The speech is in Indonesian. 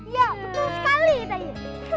iya betul sekali tanya